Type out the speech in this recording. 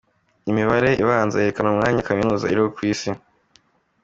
Imibare ibanza yerekana umwanya kaminuza iriho ku isi.